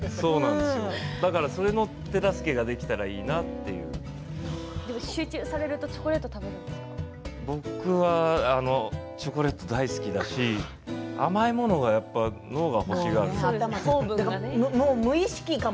その手助けができたらいいなと集中するとチョコレートをチョコレートは大好きだし甘いものがやっぱり脳が欲しがるんですよね。